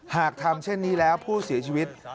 หากทำเช่นนี้แล้วผู้เสียชีวิต